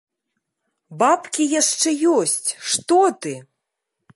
Бабкі яшчэ ёсць, што ты!